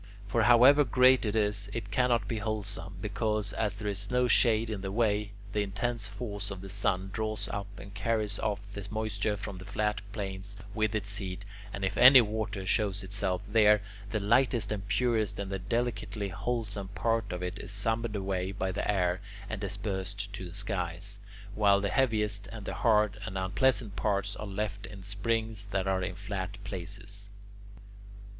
For however great it is, it cannot be wholesome, because, as there is no shade in the way, the intense force of the sun draws up and carries off the moisture from the flat plains with its heat, and if any water shows itself there, the lightest and purest and the delicately wholesome part of it is summoned away by the air, and dispersed to the skies, while the heaviest and the hard and unpleasant parts are left in springs that are in flat places.